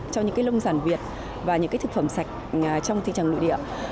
cho những cái lông sản việt và những cái thực phẩm sạch trong thị trường nội địa